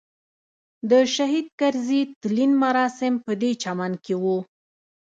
د شهید کرزي تلین مراسم په دې چمن کې وو.